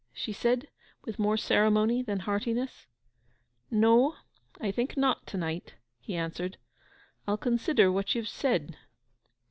she said, with more ceremony than heartiness. 'No—I think not to night,' he answered. 'I'll consider what you've said.